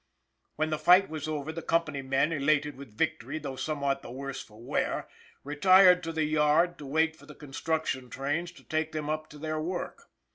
When the fight was over the company men, elated with victory though somewhat the worse for wear, retired to the yard to wait for the construction trains to take them up to their work.